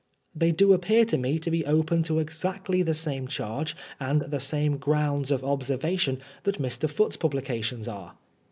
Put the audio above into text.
They do appear to me to be open to ezacUy the same charge and the same grounds of observation Uiat Mr. Footers publications are.